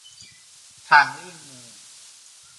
ทางเลี่ยงเมือง